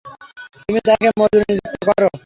তুমি তাকে মজুর নিযুক্ত কর।